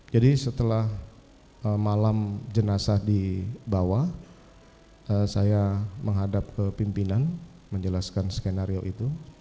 jadi setelah malam jenazah di bawah saya menghadap ke pimpinan menjelaskan skenario itu